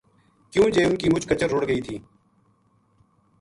کیوں جے اِنھ کی مُچ کچر رُڑ گئی تھی